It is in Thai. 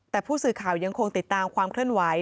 แต่ผู้สื่อข่าวยังคงติดตามความเคลื่อนไหว